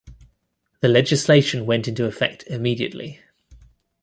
The legislation went into effect immediately.